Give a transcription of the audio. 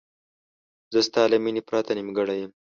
زه ستا له مینې پرته نیمګړی یم.